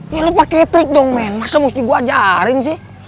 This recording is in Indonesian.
ya lo pakai trik dong masa mesti gue ajarin sih